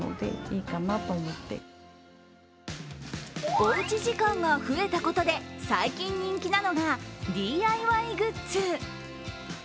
おうち時間が増えたことで最近人気なのがＤＩＹグッズ。